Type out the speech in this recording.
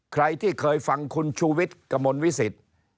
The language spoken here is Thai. ใครที่เคยฟังคุณชูวิทย์กระมวลวิสิต